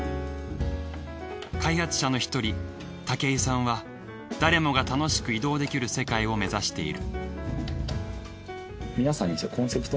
開発者の１人武井さんは誰もが楽しく移動できる世界を目指している。